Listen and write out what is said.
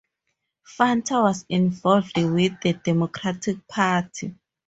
Fanta was involved with the Democratic Party.